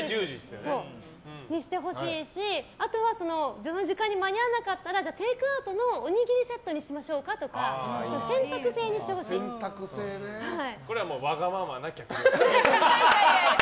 それにしてほしいしあとはその時間に間に合わなかったらテイクアウトのおにぎりセットにしましょうかとかそれはわがままな客。